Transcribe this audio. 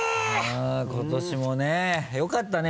今年もねよかったね